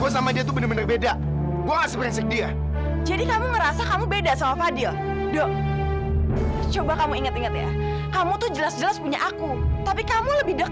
sampai jumpa di video selanjutnya